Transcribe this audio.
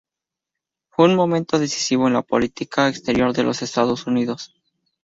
Fue un momento decisivo en la política exterior de los Estados Unidos.